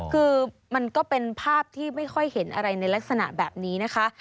คือมันก็เป็นภาพที่ไม่ค่อยเห็นอะไรในลักษณะแบบนี้นะคะ